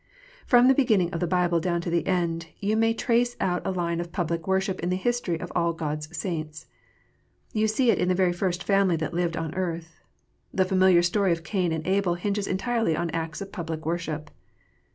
From the beginning of the Bible down to the end, you may trace out a line of public worship in the history of all God s saints. You see it in the very first family that lived on earth. The familiar story of Cain and Abel hinges entirely on acts of public worship.